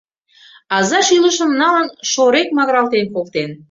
Аза шӱлышым налын, шорек магыралтен колтен